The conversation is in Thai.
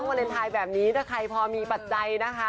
โอ้ยอืมอิ่มขาไปนะคะโชคดีนะจ๊ะตียอนจ๊ะ